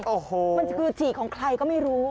โอ้โหมันคือฉีกของใครก็ไม่รู้